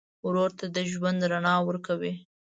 ورور ته د ژوند رڼا ورکوې.